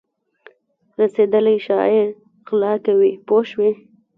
رسېدلی شاعر غلا کوي پوه شوې!.